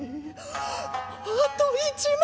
「あと１枚」。